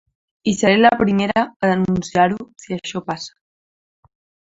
I seré la primera a denunciar-ho, si això passa.